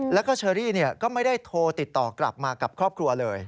แล้วก็เชอรี่ก็ไม่ได้โทรติดต่อกลับมากับครอบครัวเลย